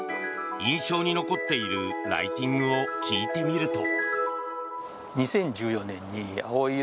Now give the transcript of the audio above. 印象に残っているライティングを聞いてみると。